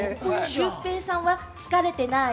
シュウペイさんは疲れてない？